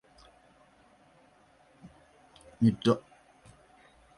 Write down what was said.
Ni tofauti na Kigadaba-Bodo ambayo ni lugha ya Kiaustro-Asiatiki.